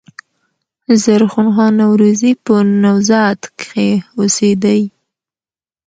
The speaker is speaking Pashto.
زرغون خان نورزي په "نوزاد" کښي اوسېدﺉ.